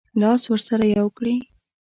لاس ورسره یو کړي.